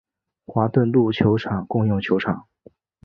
华顿路球场共用球场。